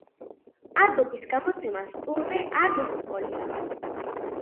ალბომის გამოცემას ტურნე არ მოჰყოლია.